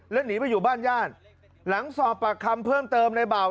แล้วหนีไปอยู่บ้านญาติหลังสอบปากคำเพิ่มเติมในเบา